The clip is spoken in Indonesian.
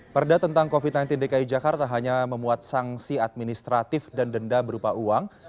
perda tentang covid sembilan belas dki jakarta hanya memuat sanksi administratif dan denda berupa uang